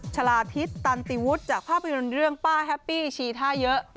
ชาลาพิษตันติวุฒิจากภาพยนตร์เรื่องป้าแฮปปี้ชีท่าเยอะ